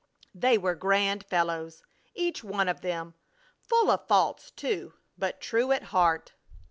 They were grand fellows, each one of them; full of faults, too, but true at heart.